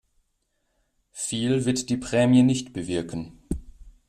Viel wird die Prämie nicht bewirken.